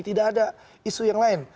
tidak ada isu yang lain